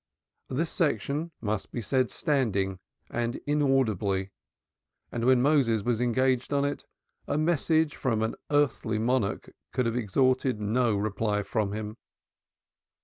This section must be said standing and inaudibly and when Moses was engaged upon it, a message from an earthly monarch would have extorted no reply from him.